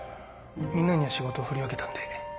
みんなには仕事振り分けたんで。